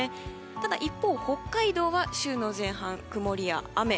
ただ一方、北海道は週の前半曇りや雨。